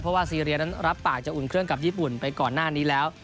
เพราะว่าซีเรียนั้นรับปากจะอุ่นเครื่องกับญี่ปุ่นไปก่อนหน้านี้แล้ว